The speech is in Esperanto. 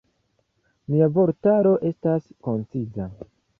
Mia vortaro estas konciza.